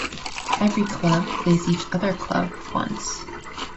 Every club plays each other club once.